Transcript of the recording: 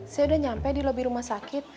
saya udah nyampe di lobi rumah sakit